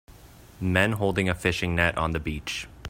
Men holding a fishing net on the beach.